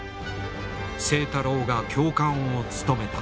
清太郎が教官を務めた。